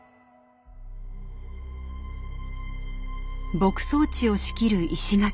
牧草地を仕切る石垣。